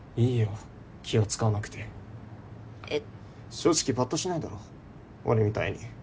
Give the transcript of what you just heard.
正直ぱっとしないだろ俺みたいに。